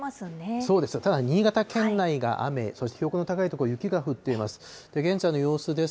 そうです、ただ新潟県内が雨、そして標高の高い所、雪が降っています。